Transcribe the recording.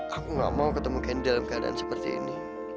aku nggak mau ketemu candy dalam keadaan seperti ini